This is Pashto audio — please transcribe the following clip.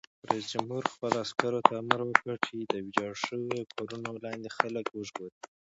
رئیس جمهور خپلو عسکرو ته امر وکړ؛ د ویجاړو شویو کورونو لاندې خلک وژغورئ!